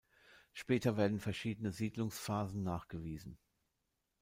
Später werden verschiedene Siedlungsphasen nachgewiesen.